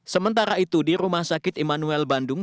sementara itu di rumah sakit immanuel bandung